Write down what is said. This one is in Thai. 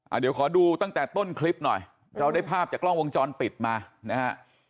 เดี๋ยวขอดูตั้งแต่ต้นคลิปหน่อยเราได้ภาพจากกล้องวงจรปิดมานะฮะ